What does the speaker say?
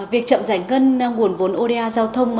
việc chậm giải ngân nguồn vốn oda giao thông